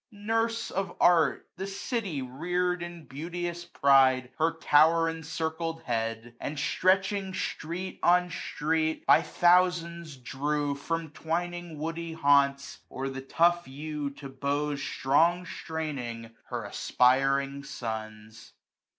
Nurse of art ! the city rear'd In beauteous pride her tower encircled head ; And, stretching street on street, by thousands drew^ 115: From twining woody haunts, or the tough yew To* bows strong straining, her aspiring sons.